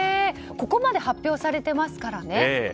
ここまで発表されてますからね。